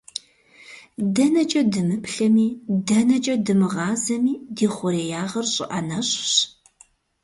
ДэнэкӀэ дымыплъэми, дэнэкӀэ дымыгъазэми, ди хъуреягъыр щӀы ӏэнэщӀщ!